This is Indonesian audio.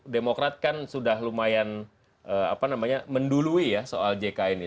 demokrat kan sudah lumayan mendului ya soal jk ini